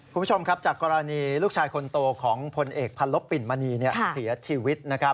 คุณผู้ชมครับจากกรณีลูกชายคนโตของพลเอกพันลบปิ่นมณีเสียชีวิต